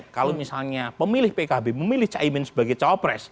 kalau misalnya pemilih pkb memilih caimin sebagai cawapres